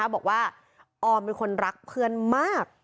บอกว่าออมเป็นคนรักเพื่อนมาก